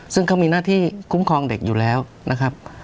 ซึ่งเขามีหน้าที่คุ้มครองเด็กอยู่แล้วนะครับ